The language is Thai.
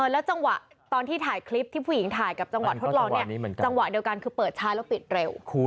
แล้วจังหวะตอนที่ถ่ายคลิปที่ผู้หญิงถ่ายกับจังหวะทดลองเนี่ยจังหวะเดียวกันคือเปิดช้าแล้วปิดเร็ว